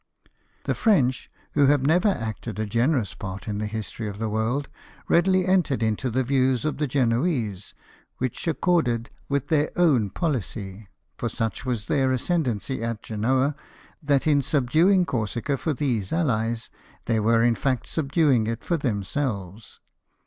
The French, who have never acted a generous part in the history of the world, readily entered into the views of the Genoese, which accorded with their own policy : for such was their ascendency at Genoa that in subduing Corsica for these allies, they were in fact subduing it for themselves.